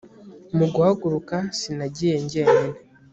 mu guhaguruka sinagiye jyenyine